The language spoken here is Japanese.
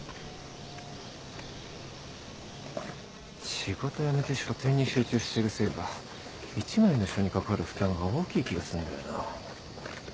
仕事やめて書展に集中してるせいか１枚の書にかかる負担が大きい気がすんだよな。